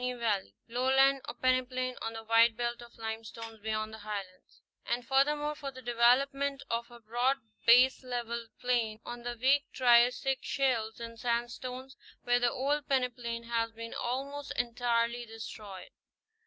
Kittatinny Valley lowland or peneplain on the wide belt of limestones beyond the Highlands; and furthermore for the development of a broad baselevelled plain on the weak Triassic shales and sandstones, where the old peneplain has been almost entirely destroyed.